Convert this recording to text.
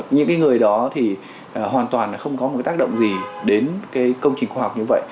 những cái người đó thì hoàn toàn là không có một tác động gì đến cái công trình khoa học như vậy